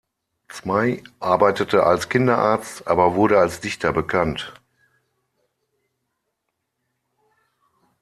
Zmaj arbeitete als Kinderarzt, aber wurde als Dichter bekannt.